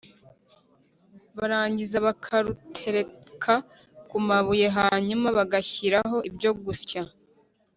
barangiza bakarutereka ku mabuye hanyuma bagashyiraho ibyo gusya,